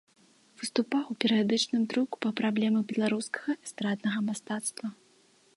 Выступаў у перыядычным друку па праблемах беларускага эстраднага мастацтва.